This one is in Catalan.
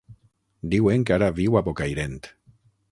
Diuen que ara viu a Bocairent.